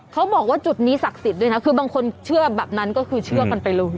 เขาบอกว่าจุดนี้ศักดิ์สิทธิ์ด้วยนะคือบางคนเชื่อแบบนั้นก็คือเชื่อกันไปเลย